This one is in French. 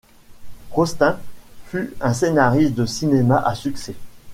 Rosten fut un scénariste de cinéma à succès.